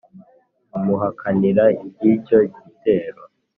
amuhakanira iby'icyo gitero,